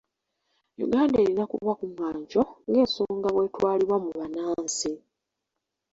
Uganda erina kuba ku mwanjo nga ensonga bw'etwalibwa mu bannansi.